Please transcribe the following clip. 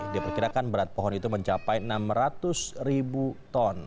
diperkirakan berat pohon itu mencapai enam ratus ribu ton